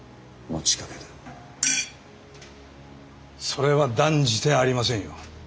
それは断じてありませんよ。